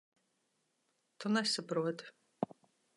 Tu nesaproti.